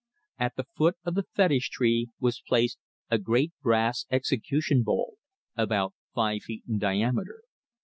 At the foot of the fetish tree was placed a great brass execution bowl, about five feet in diameter.